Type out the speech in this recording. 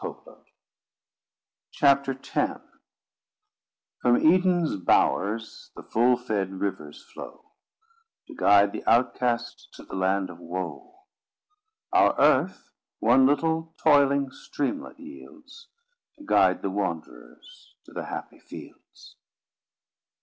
CHAPTER X "From Eden's bowers the full fed rivers flow, To guide the outcasts to the land of woe: Our Earth one little toiling streamlet yields. To guide the wanderers to the happy fields."